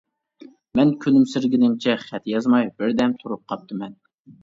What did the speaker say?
مەن كۈلۈمسىرىگىنىمچە خەت يازماي بىردەم تۇرۇپ قاپتىمەن.